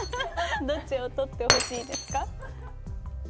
どっちを取ってほしいですか？